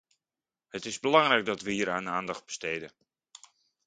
Het is belangrijk dat we hieraan aandacht besteden.